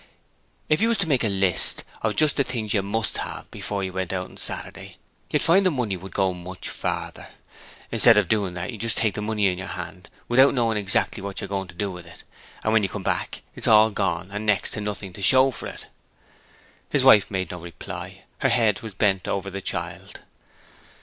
If you was to make a list of just the things you MUST have before you went out of a Saturday, you'd find the money would go much farther. Instead of doing that you just take the money in your hand without knowing exactly what you're going to do with it, and when you come back it's all gone and next to nothing to show for it.' His wife made no reply: her head was bent over the child.